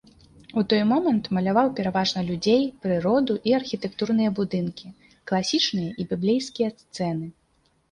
У той момант маляваў пераважна людзей, прыроду і архітэктурныя будынкі, класічныя і біблейскія сцэны.